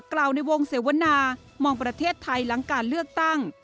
กล่าวในวงเสวนามองประเทศไทยหลังการเลือกตั้ง